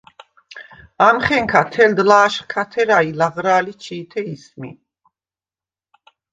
ამხენქა თელდ ლა̄შხ ქა თერა ი ლაღრა̄ლი̄ ჩი̄თე ისმი.